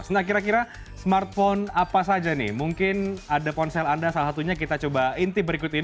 nah kira kira smartphone apa saja nih mungkin ada ponsel anda salah satunya kita coba intip berikut ini